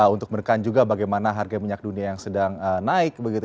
untuk menekan juga bagaimana harga minyak dunia yang sedang naik begitu